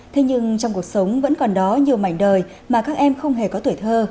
thế nhưng trong cuộc sống vẫn còn đó nhiều mảnh đời mà các em không hề có tuổi thơ